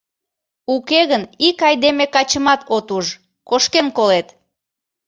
Уке гын ик айдеме-качымат от уж, кошкен колет.